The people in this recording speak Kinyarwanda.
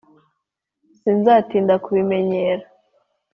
Sinzatinda kubimenyera